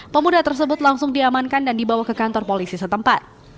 pemuda tersebut langsung diamankan dan dibawa ke kantor polisi setempat